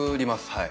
はい。